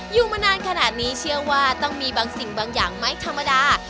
อยู่มานานขนาดนี้เชื่อว่าต้องมีบางสิ่งบางอย่างไม่ธรรมดา